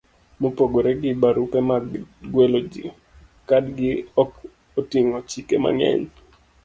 Mopogore gi barupe mag gwelo ji, kadgi ok oting'o chike mang'eny: